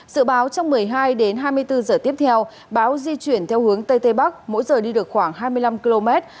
dự báo trong một mươi hai đến hai mươi bốn giờ tiếp theo bão di chuyển theo hướng tây tây bắc mỗi giờ đi được khoảng hai mươi năm km